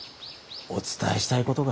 お伝えしたいことが。